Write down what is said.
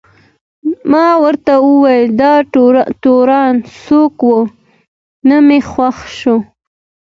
ما ورته وویل: دا تورن څوک و؟ نه مې خوښ شو.